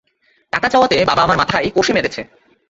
টাকা চাওয়াতে বাবা আমার মাথায় কষে মেরেছে।